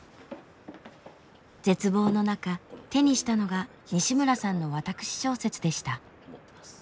絶望の中手にしたのが西村さんの私小説でした。